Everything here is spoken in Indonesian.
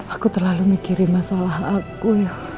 aku terlalu mikirin masalah aku ya